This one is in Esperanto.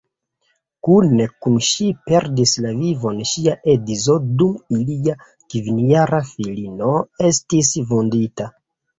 Kune kun ŝi perdis la vivon ŝia edzo dum ilia kvinjara filino estis vundita.